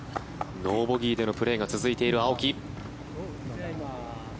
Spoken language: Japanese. ノーボギーでのプレーが続いている青木。